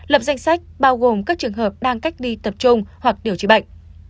lập danh sách bao gồm các trường hợp đang cách ly tập trung hoặc điều trị bệnh